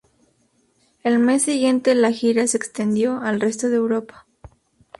El mes siguiente la gira se extendió al resto de Europa.